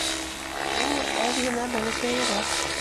Ул әҙ генә бәләкәйерәк